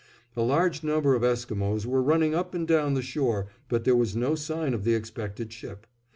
A large number of Esquimos were running up and down the shore, but there was no sign of the expected ship.